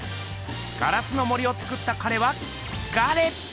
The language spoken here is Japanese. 「『ガラスの森』をつくった彼はガレ」。